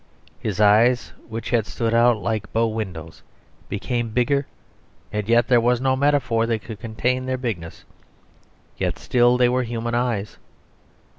His eyes, which had stood out like bow windows, became bigger yet, and there was no metaphor that could contain their bigness; yet still they were human eyes.